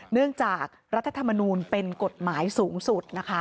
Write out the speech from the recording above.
เนื่องจากรัฐธรรมนูลเป็นกฎหมายสูงสุดนะคะ